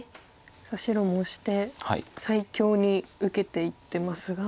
さあ白もオシて最強に受けていってますが。